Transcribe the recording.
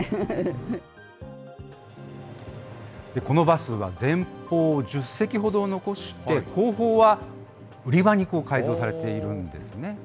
このバスは前方１０席ほどを残して、後方は売り場に改造されているんですね。